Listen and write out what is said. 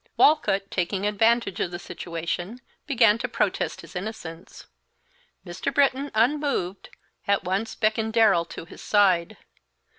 Walcott, taking advantage of the situation, began to protest his innocence. Mr. Britton, unmoved, at once beckoned Darrell to his side.